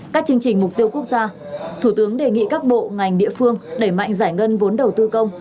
các chương trình mục tiêu quốc gia thủ tướng đề nghị các bộ ngành địa phương đẩy mạnh giải ngân vốn đầu tư công